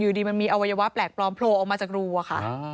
ดีมันมีอวัยวะแปลกปลอมโผล่ออกมาจากรูอะค่ะ